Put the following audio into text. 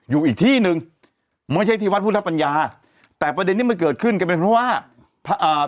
อยู่อีกที่หนึ่งไม่ใช่ที่วัดพุทธปัญญาแต่ประเด็นที่มันเกิดขึ้นก็เป็นเพราะว่าอ่า